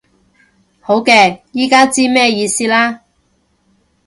好嘅，依家知咩意思啦